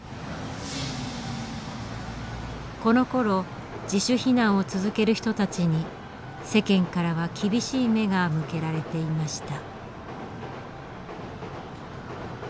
このころ自主避難を続ける人たちに世間からは厳しい目が向けられていました。